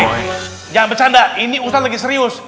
eh jangan bercanda ini ustadz lagi serius